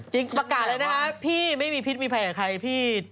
ประกาศเลยนะคะพี่ไม่มีพิษมีภัยกับใครพี่